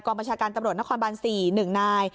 บัญชาการตำรวจนครบาน๔๑นาย